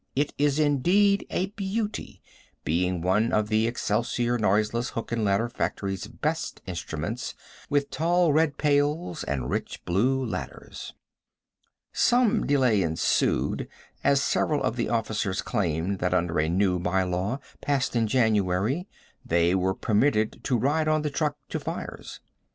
It is indeed a beauty, being one of the Excelsior noiseless hook and ladder factory's best instruments, with tall red pails and rich blue ladders. Some delay ensued, as several of the officers claimed that under a new bylaw passed in January they were permitted to ride on the truck to fires.